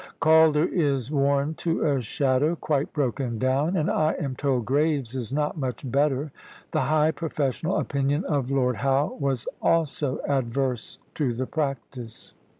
Calder is worn to a shadow, quite broken down, and I am told Graves is not much better." The high professional opinion of Lord Howe was also adverse to the practice.